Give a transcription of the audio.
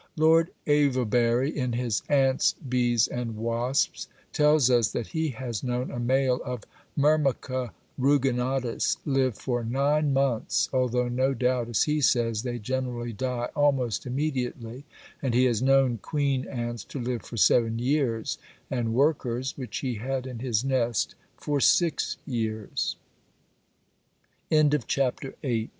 Lord Avebury, in his Ants, Bees and Wasps, tells us that he has known a male of Myrmica ruginodis live for nine months, although no doubt, as he says, they generally die almost immediately, and he has known queen ants to live for seven years, and workers, which he had in his nes